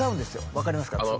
分かりますか。